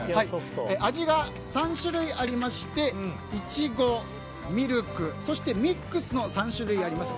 味が３種類ありましてイチゴ、ミルクそしてミックスの３種類あります。